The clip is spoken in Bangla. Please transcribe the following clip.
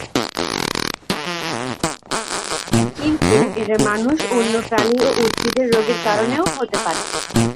কিন্তু এরা মানুষ, অন্য প্রাণী ও উদ্ভিদের রোগের কারণও হতে পারে।